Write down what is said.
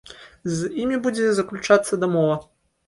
З імі будзе заключацца дамова.